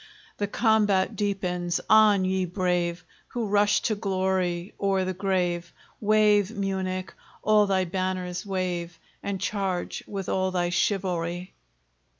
The combat deepens. On, ye brave, Who rush to glory or the grave! Wave, Munich! all thy banners wave, And charge with all thy chivalry!